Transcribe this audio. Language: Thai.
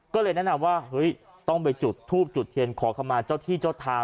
ก็เลยแนะนำว่าเฮ้ยต้องไปจุดทูบจุดเทียนขอเข้ามาเจ้าที่เจ้าทาง